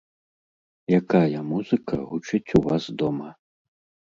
Якая музыка гучыць у вас дома?